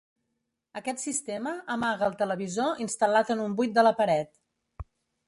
Aquest sistema amaga el televisor instal·lat en un buit de la paret.